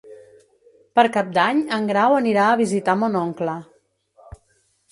Per Cap d'Any en Grau anirà a visitar mon oncle.